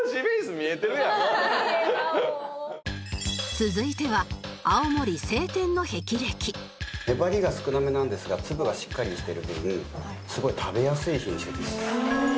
続いては粘りが少なめなんですが粒がしっかりしてる分すごい食べやすい品種です。